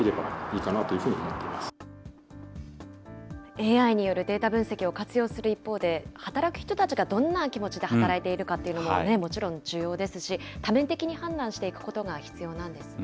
ＡＩによるデータ分析を活用する一方で、働く人たちがどんな気持ちで働いているかっていうのももちろん重要ですし、多面的に判断していくことが必要なんですね。